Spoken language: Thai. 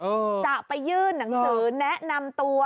จะไปยื่นหนังสือแนะนำตัว